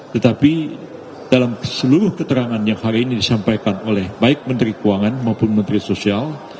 tetapi dalam seluruh keterangan yang hari ini disampaikan oleh baik menteri keuangan maupun menteri sosial